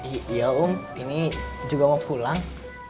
iya om ini juga mau pulang